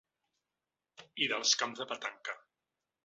I dels camps de petanca.